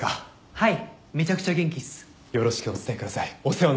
はい。